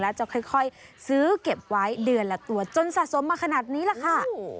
แล้วจะค่อยซื้อเก็บไว้เดือนละตัวจนสะสมมาขนาดนี้ล่ะค่ะ